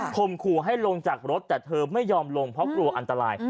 มขู่ให้ลงจากรถแต่เธอไม่ยอมลงเพราะกลัวอันตราย